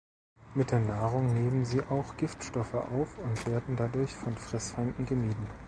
Mit der Nahrung nehmen sie auch Giftstoffe auf und werden dadurch von Fressfeinden gemieden.